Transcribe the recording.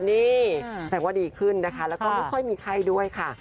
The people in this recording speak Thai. นี่แสดงว่าดีขึ้นนะคะแล้วก็ไม่ค่อยมีไข้ด้วยค่ะ